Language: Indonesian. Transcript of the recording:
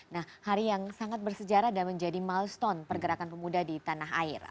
nah hari yang sangat bersejarah dan menjadi milestone pergerakan pemuda di tanah air